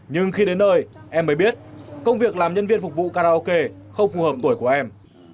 nhưng khi đến nơi em mới biết công việc làm nhân viên phục vụ karaoke không phù hợp tuổi của em